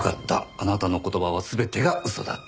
あなたの言葉は全てが嘘だった。